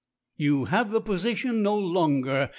"You have the position no longer.